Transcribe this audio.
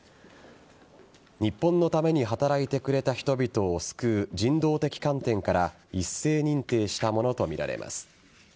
日本のために働いてくれた人々を救う人道的観点から一斉認定したものとみられます。